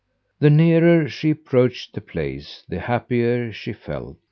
The nearer she approached the place the happier she felt.